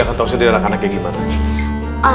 ketauan sederhana anaknya kayak gimana